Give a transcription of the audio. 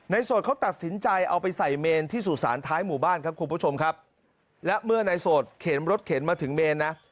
โสดเขาตัดสินใจเอาไปใส่เมนที่สุสานท้ายหมู่บ้านครับคุณผู้ชมครับและเมื่อนายโสดเข็นรถเข็นมาถึงเมนนะ